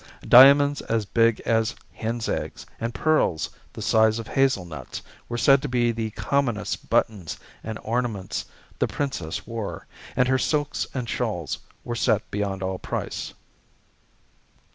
Diamonds as big as hen's eggs, and pearls the size of hazelnuts, were said to be the commonest buttons and ornaments the Princess wore, and her silks and shawls were set beyond all price.